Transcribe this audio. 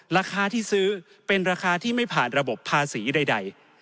ราคาที่ซื้อเป็นราคาที่ไม่ผ่านระบบภาษีใด